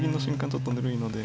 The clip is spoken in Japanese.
ちょっとぬるいので。